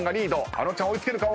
あのちゃん追い付けるか？